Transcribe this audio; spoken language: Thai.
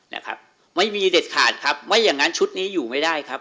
นะครับไม่มีเด็ดขาดครับไม่อย่างงั้นชุดนี้อยู่ไม่ได้ครับ